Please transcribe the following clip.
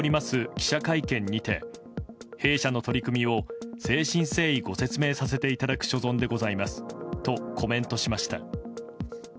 記者会見にて弊社の取り組みを誠心誠意ご説明させていただく所存でございますとコメントしました。